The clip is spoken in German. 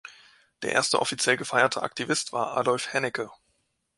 Der erste offiziell gefeierte Aktivist war Adolf Hennecke.